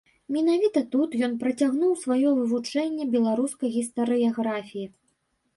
Менавіта тут ён працягнуў сваё вывучэнне беларускай гістарыяграфіі.